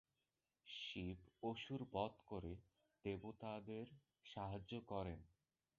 শিব অসুর বধ করে দেবতাদের সাহায্য করেন।